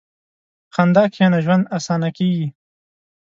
په خندا کښېنه، ژوند اسانه کېږي.